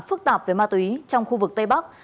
phức tạp về ma túy trong khu vực tây bắc